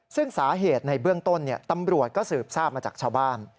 ซึ่งสาเหตุในเบื้องต้นตำรวจก็สืบทราบมาจากชาวบ้าน